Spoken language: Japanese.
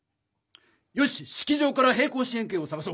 よし式場から平行四辺形を探そう！